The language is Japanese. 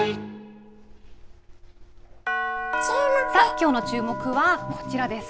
きょうのチューモク！はこちらです。